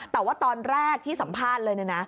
แต่ว่าตอนแรกที่สัมภาษณ์เลยนะ